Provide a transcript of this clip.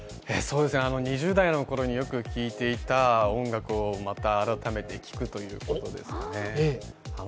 ２０代のころによく聴いていた音楽を今、改めて聴くということですね。